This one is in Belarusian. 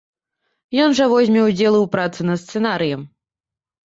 Ён жа возьме удзел і ў працы над сцэнарыем.